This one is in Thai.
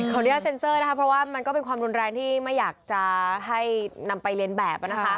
ขออนุญาตเซ็นเซอร์มันก็เป็นความรุนแรงที่ไม่อยากจะให้นำไปเลนแบบ